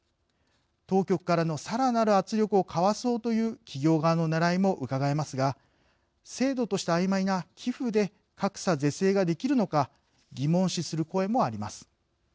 当局からのさらなる圧力をかわそうという企業側のねらいもうかがえますが制度として、あいまいな寄付で格差是正ができるのか疑問視する声もあります。